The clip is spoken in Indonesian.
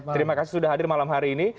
terima kasih sudah hadir malam hari ini